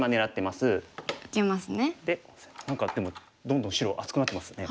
で何かでもどんどん白厚くなってますね。